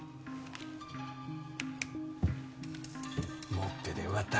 持っててよかった。